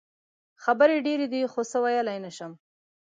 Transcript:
خبرې ډېرې دي خو څه ویلې نه شم.